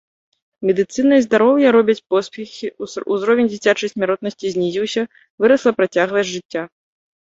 Медыцына і здароўе робяць поспехі, узровень дзіцячай смяротнасці знізіўся, вырасла працягласць жыцця.